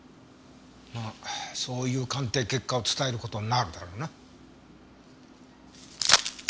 まあそういう鑑定結果を伝える事になるだろうな。